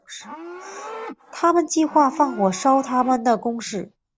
他们计划放火烧他的宫室。